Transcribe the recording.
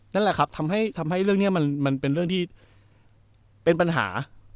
นั่นแหละครับทำให้เรื่องนี้มันเป็นเรื่องที่เป็นปัญหา